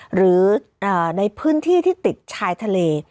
หรือในพื้นที่ที่ติดชายทะเล